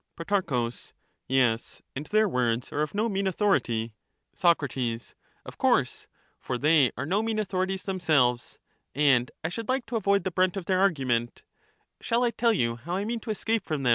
|^^^^ Pro, Yes, and their words are of no mean authority. not always Soc, Of course, for they are no mean authorities them ^*^^e^*^' selves ; and I should like to avoid the brunt of their argu greatest ment. Shall I tell you how I mean to escape from them